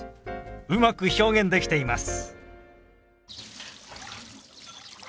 うまく表現できています。